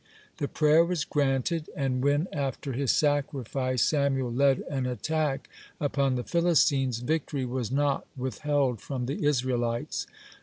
(41) The prayer was granted, and when, after his sacrifice, Samuel led an attack upon the Philistines, victory was not withheld from the Israelites.